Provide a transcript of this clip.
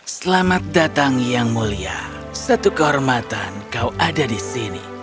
selamat datang yang mulia satu kehormatan kau ada di sini